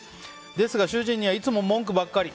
ですが、主人にはいつも文句ばっかり。